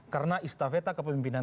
karena istafeta kepemimpinan golkar